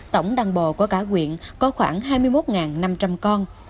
tổng đăng bồ của cả quyện có khoảng hai mươi một năm trăm linh con